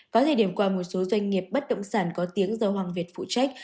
có thời điểm qua một số doanh nghiệp bất động sản có tiếng do hoàng việt phụ trách